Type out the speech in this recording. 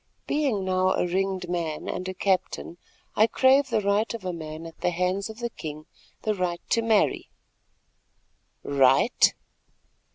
"Being now a ringed man and a captain, I crave the right of a man at the hands of the king—the right to marry." "Right?